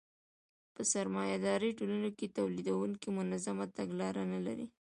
په سرمایه داري ټولنو کې تولیدونکي منظمه تګلاره نلري